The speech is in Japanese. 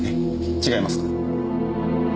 違いますか？